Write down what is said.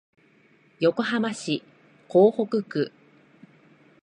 横浜市港北区